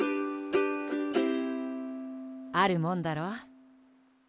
あるもんだろ。